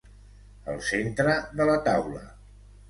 El centre de la taula.